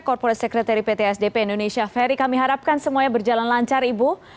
corporate secretary pt asdp indonesia ferry kami harapkan semuanya berjalan lancar ibu